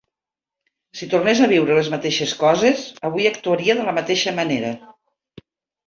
Si tornés a viure les mateixes coses, avui actuaria de la mateixa manera.